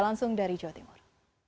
langsung dari jawa timur